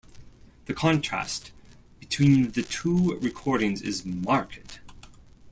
The contrast between the two recordings is marked.